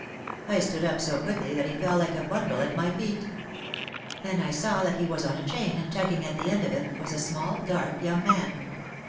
I stood up so quickly that he fell like a bundle at my feet. Then I saw that he was on a chain and tugging at the end of it was a small, dark young man.